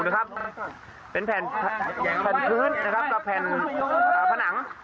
นะครับเป็นแผ่นแผ่นพื้นนะครับกับแผ่นอ่าผนังหนึ่งได้